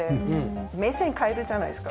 目線変えるじゃないですか。